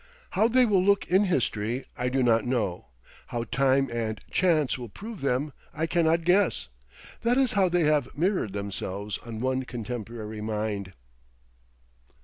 How they will look in history I do not know, how time and chance will prove them I cannot guess; that is how they have mirrored themselves on one contemporary mind.